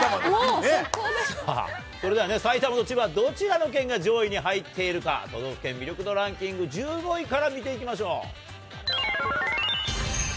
それではね、埼玉と千葉、どちらの県が上位に入っているか、都道府県魅力丼ランキング、１５位から見ていきましょう。